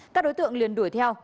các đối tượng liền đuổi theo